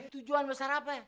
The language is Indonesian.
tujuan besar apa ya